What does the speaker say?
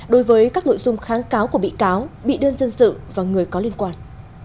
đối với các nội dung kháng cáo của bị cáo bị đơn dân sự và người có liên quan